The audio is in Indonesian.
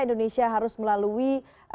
indonesia harus melalui